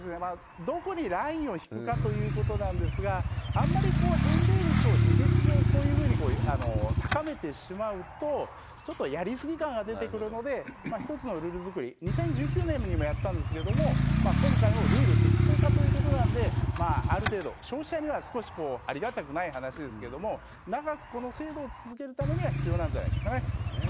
どこにラインを引くかということなんですが、あんまり返礼率を事実上、こういうふうに高めてしまうと、ちょっとやり過ぎ感が出てくるので、一つのルール作り、２０１９年にもやったんですけれども、今回もルール適正化ということなんで、ある程度、消費者には少しありがたくない話ですけれども、長くこの制度を続けるためには必なるほどですね。